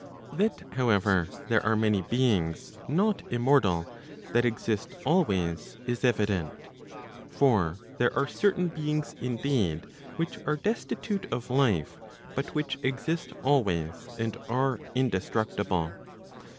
That however, there are many beings not immortal, that exist always, is evident. For there are certain beings indeed, which are destitute of life, but which exist always, and are indestructible.